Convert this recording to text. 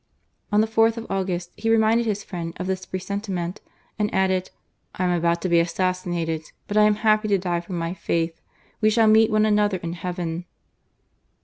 On the 4th of August he reminded his friend of this presentiment, and added :" I am about to be assassinated, but I am happy to die for my faith. We shall meet one another in Heaven."